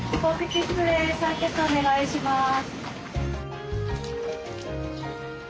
採血お願いします。